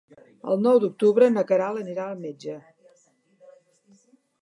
El nou d'octubre na Queralt anirà al metge.